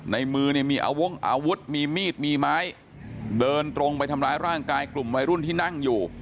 ในมือเนี่ยมีอาวงอาวุธมีมีดมีไม้เดินตรงไปทำร้ายร่างกายกลุ่มวัยรุ่นที่นั่งอยู่